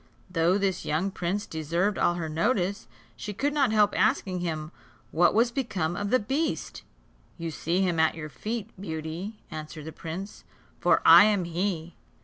Though this young prince deserved all her notice, she could not help asking him what was become of the beast. "You see him at your feet, Beauty," answered the prince, "for I am he.